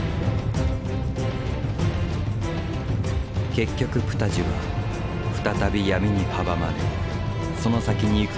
結局プタジは再び闇に阻まれその先に行くことを断念した。